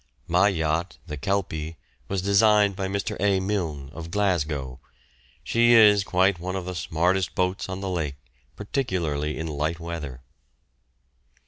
My yacht, the "Kelpie," was designed by Mr. A. Mylne, of Glasgow. She is quite one of the smartest boats on the lake, particularly in light weather.